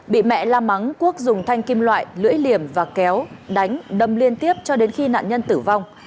bị mẹ la mắng quốc dùng thanh kim loại lưỡi liềm và kéo đánh đâm liên tiếp cho đến khi nạn nhân tử vong